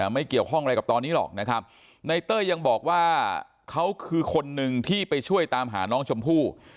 ไม่เกี่ยวข้องอะไรกับตอนนี้หรอกนะครับในเต้ยยังบอกว่าเขาคือคนหนึ่งที่ไปช่วยตามหาน้องชมพู่